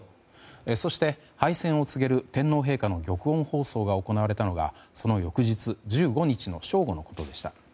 そして敗戦を告げる天皇陛下の玉音放送が行われたのはその翌日１５日の正午のことでした。